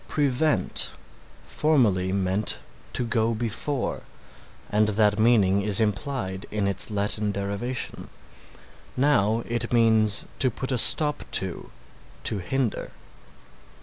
"Prevent" formerly meant to go before, and that meaning is implied in its Latin derivation. Now it means to put a stop to, to hinder.